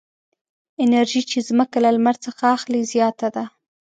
انرژي چې ځمکه له لمر څخه اخلي زیاته ده.